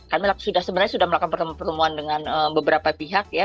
kami sebenarnya sudah melakukan pertemuan dengan beberapa pihak ya